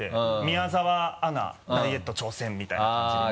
「宮澤アナダイエット挑戦」みたいな感じで。